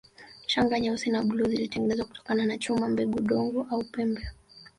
Shanga nyeusi na bluu zilitengenezwa kutokana na chuma mbegu udongo au pembe